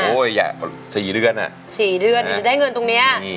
โอ้ยสี่เดือนอ่ะสี่เดือนจะได้เงินตรงเนี้ยนี่